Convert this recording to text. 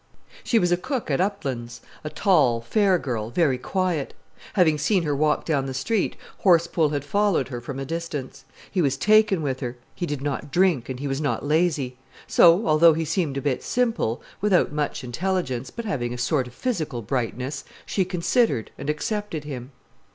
She was a cook at "Uplands", a tall, fair girl, very quiet. Having seen her walk down the street, Horsepool had followed her from a distance. He was taken with her, he did not drink, and he was not lazy. So, although he seemed a bit simple, without much intelligence, but having a sort of physical brightness, she considered, and accepted him.